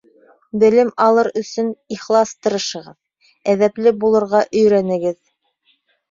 Белем алыр өсөн ихлас тырышығыҙ, әҙәпле булырға өйрәнегеҙ.